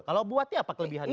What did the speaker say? kalau buati apa kelebihannya